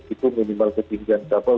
itu minimal kepinginan kabel